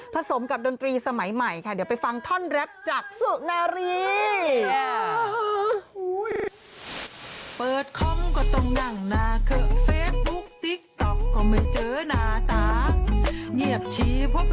สมกับดนตรีสมัยใหม่ค่ะเดี๋ยวไปฟังท่อนแรปจากสุนารี